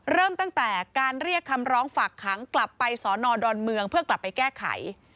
เริ่มตั้งแต่การเรียกคำร้องฝากขังกลับไปสอนอดอนเมืองเพื่อกลับไปแก้ไข